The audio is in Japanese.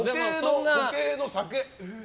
固形の酒。